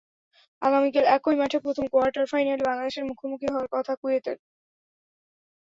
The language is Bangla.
আগামীকাল একই মাঠে প্রথম কোয়ার্টার ফাইনালে বাংলাদেশের মুখোমুখি হওয়ার কথা কুয়েতের।